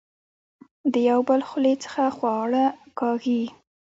د يو بل خولې څخه خواړۀ کاږي